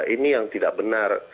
ini yang tidak benar